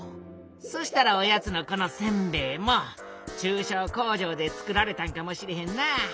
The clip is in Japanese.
そしたらおやつのこのせんべいも中小工場で作られたんかもしれへんな。